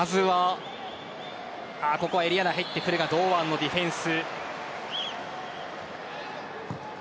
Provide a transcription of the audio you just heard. エリア内、入ってくるが堂安のディフェンス。